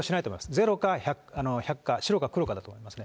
ゼロか１００か、白か黒かだと思いますね。